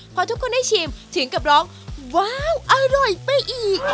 พอทุกคนได้ชิมถึงกับร้องว้าวอร่อยไปอีก